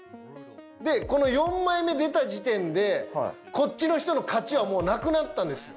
でこの４枚目出た時点でこっちの人の勝ちはもうなくなったんです。